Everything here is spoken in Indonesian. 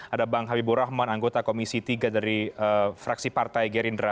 ada bang habibur rahman anggota komisi tiga dari fraksi partai gerindra